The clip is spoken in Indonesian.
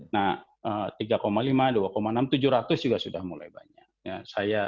nah tiga lima dua enam tujuh ratus juga sudah mulai banyak